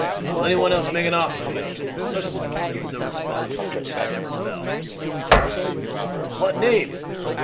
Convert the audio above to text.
"Will any one else make an offer?" the auctioneer asked. There was no response, and the hammer fell. "What name?"